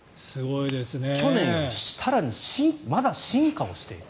去年よりまだ進化をしている。